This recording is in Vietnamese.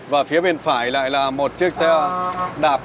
và phía bên phải lại là một chiếc xe đạp